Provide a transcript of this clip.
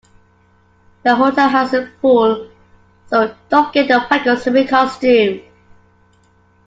The hotel has a pool, so don't forget to pack your swimming costume